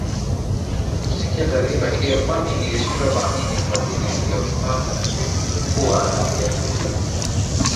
kusikia taarifa hiyo kwani nilishindwa kuamini kwa vile ndio kwanza nilikuwa na miezi sita